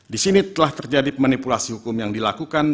di sini telah terjadi manipulasi hukum yang dilakukan